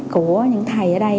của những thầy ở đây